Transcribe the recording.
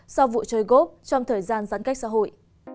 sau vụ trôi gốc trong thời gian giãn cách xã hội